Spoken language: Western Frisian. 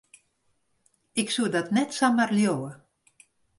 Ik soe dat net samar leauwe.